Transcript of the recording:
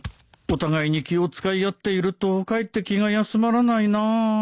お互いに気を使い合っているとかえって気が休まらないな